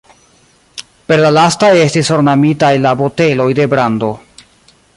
Per la lastaj estis ornamitaj la boteloj de brando.